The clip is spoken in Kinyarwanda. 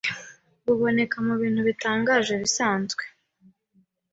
buboneka mubintu bitangaje ibisanzwe